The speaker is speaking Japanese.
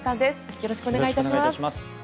よろしくお願いします。